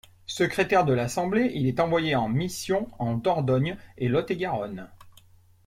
Secrétaire de l'Assemblée, il est envoyé en mission en Dordogne et Lot-et-Garonne.